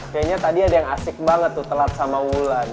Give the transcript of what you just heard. kayaknya tadi ada yang asik banget tuh telat sama wulan